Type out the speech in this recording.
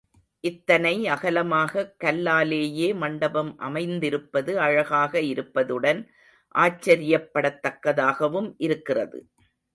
இத்தனை அகலமாக கல்லாலேயே மண்டபம் அமைந்திருப்பது அழகாக இருப்பதுடன் ஆச்சர்யப் படத்தக்கதாகவும் இருக்கிறது.